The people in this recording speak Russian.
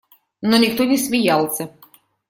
Но никто не смеялся.